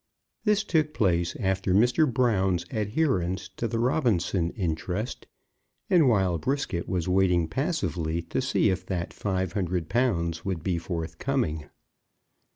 This took place after Mr. Brown's adherence to the Robinson interest, and while Brisket was waiting passively to see if that five hundred pounds would be forthcoming.